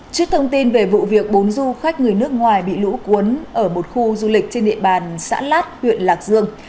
trước thông tin về vụ việc bốn du khách người nước ngoài bị lũ cuốn ở một khu du lịch trên địa bàn xã lát huyện lạc dương